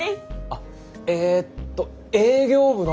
あっえっと営業部の。